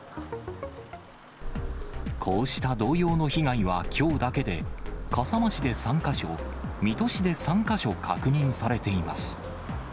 こうした同様の被害はきょうだけで笠間市で３か所、水戸市で３か所確認されています。